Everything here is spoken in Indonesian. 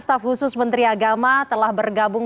staf khusus menteri agama telah bergabung